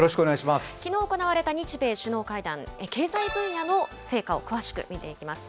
きのう行われた日米首脳会談、経済分野の成果を詳しく見ていきます。